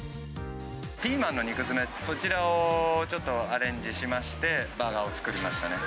ピーマンの肉詰め、そちらをちょっとアレンジしまして、バーガーを作りました。